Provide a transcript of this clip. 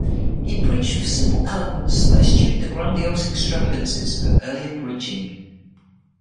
He preached with a simple eloquence that eschewed the grandiose extravagances of earlier preaching.